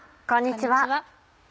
こんにちは。